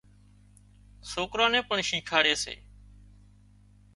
سوڪران نين پڻ شيکاڙي سي